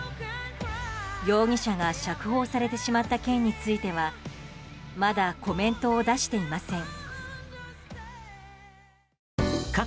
容疑者が釈放されてしまった件についてはまだコメントを出していません。